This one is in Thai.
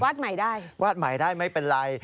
ใหม่ได้วาดใหม่ได้ไม่เป็นไร